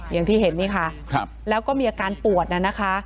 อย่างที่เห็นนี่ค่ะแล้วก็มีอาการปวดน่ะนะคะ